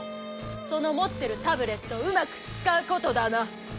そのもってるタブレットをうまくつかうことだな。